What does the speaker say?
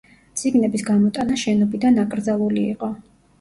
წიგნების გამოტანა შენობიდან აკრძალული იყო.